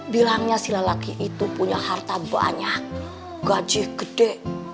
bilangnya si lelaki itu punya harta banyak gaji gede